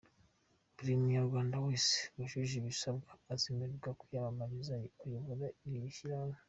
Buri Munyarwanda wese wujuje ibisabwa azemerwa kwiyamamariza kuyobora iri shyirahamwe.